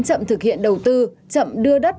chậm thực hiện đầu tư chậm đưa đất